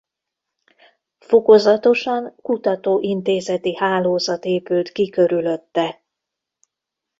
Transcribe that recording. Fokozatosan kutatóintézeti hálózat épült ki körülötte.